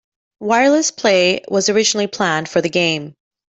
Wireless play was originally planned for the game.